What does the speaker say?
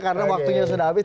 karena waktunya sudah habis